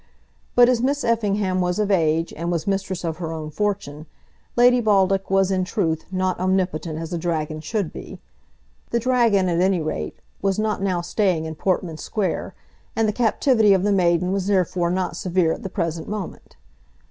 But as Miss Effingham was of age, and was mistress of her own fortune, Lady Baldock was, in truth, not omnipotent as a dragon should be. The dragon, at any rate, was not now staying in Portman Square, and the captivity of the maiden was therefore not severe at the present moment.